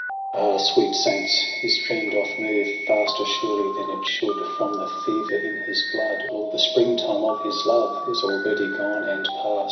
* Ah! sweet saints, his dream doth move Faster surely than it should, From the fever in his blood ! All the spring time of his love Is already gone and past.